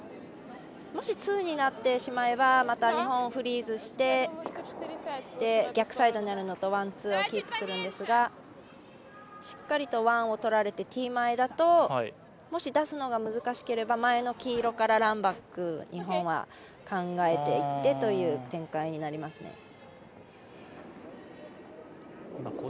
もしツーになってしまえばまた、日本フリーズして逆サイドにあるのとワン、ツーをキープするんですがしっかりとワンをとられてティー前だともし出すのが難しければ前の黄色からランバック日本は考えていってという展開になりますね。